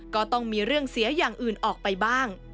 ก็ต้องมีเรื่องเสียอย่างอื่นออกไปบ้าง